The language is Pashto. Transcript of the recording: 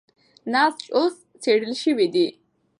نسج اوس څېړل شوی دی.